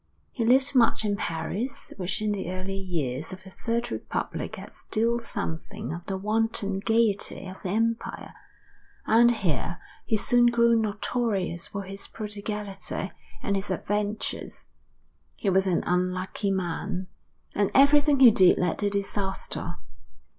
He lived much in Paris, which in the early years of the third republic had still something of the wanton gaiety of the Empire; and here he soon grew notorious for his prodigality and his adventures. He was an unlucky man, and everything he did led to disaster.